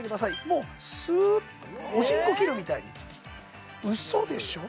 もうスーッとおしんこ切るみたいうそでしょ